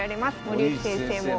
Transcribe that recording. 森内先生も。